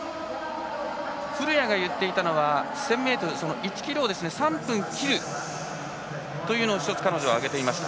古屋が言っていたのは１０００ｍ、１ｋｍを３分というのを１つ彼女は上げていました。